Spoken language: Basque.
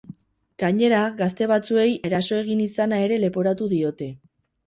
Gainera, gazte batzuei eraso egin izana ere leporatu diote.